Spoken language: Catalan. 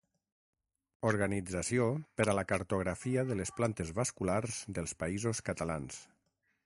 Organització per a la cartografia de les plantes vasculars dels Països Catalans.